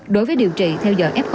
đối với điều trị theo dõi f